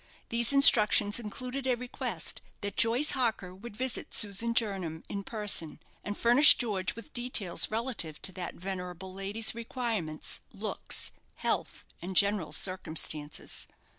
These instructions included a request that Joyce Harker would visit Susan Jernam in person, and furnish George with details relative to that venerable lady's requirements, looks, health, and general circumstances.